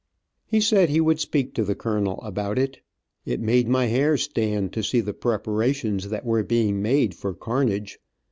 He said he would speak to the colonel about it. It made my hair stand to see the preparations that were being made for carnage.